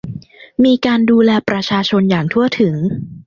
มีการดูแลประชาชนอย่างทั่วถึง